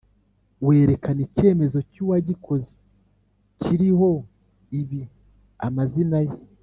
werekana icyemezo cy’uwagikoze kiriho ibi:-amazina ye